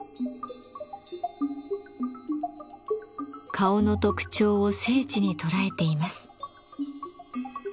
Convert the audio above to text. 顔の特徴を精緻に捉えています。